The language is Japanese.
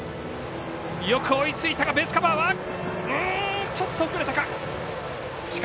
よく追いついたがベースカバーはちょっとそれたか。